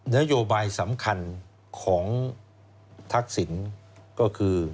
นโยบายสำคัญของทักษิณก็คือ